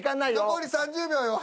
残り３０秒よ。